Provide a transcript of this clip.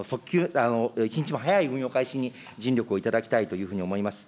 一日も早い運用開始に尽力をいただきたいというふうに思います。